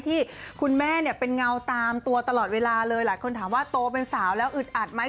ที่คุณแม่เนี่ยเป็นเงาตามตัวตลอดเวลาเลยหลายคนถามว่าโตเป็นสาวแล้วอึดอัดไหม